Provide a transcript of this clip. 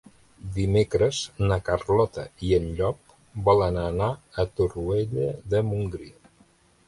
Dimecres na Carlota i en Llop volen anar a Torroella de Montgrí.